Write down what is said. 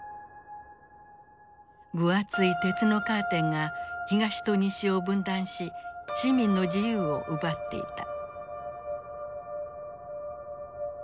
分厚い鉄のカーテンが東と西を分断し市民の自由を奪っていた。